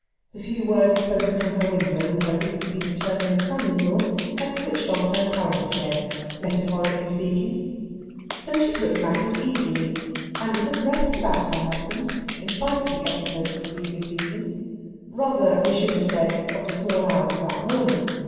The few words spoken from her window with her recently determined son in law had switched on her current again, metaphorically speaking. So she took matters easily, and was at rest about her husband, in spite of the episode of the previous evening rather, we should have said, of the small hours of that morning.